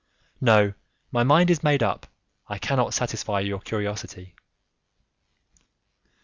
"No, my mind is made up; I cannot satisfy your curiosity."